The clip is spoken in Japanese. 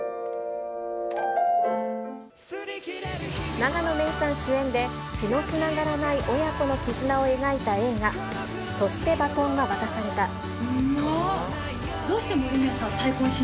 永野芽郁さん主演で、血のつながらない親子の絆を描いた映画、そして、バトンは渡されうま。